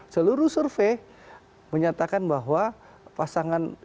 seluruh survei menyatakan bahwa pasangan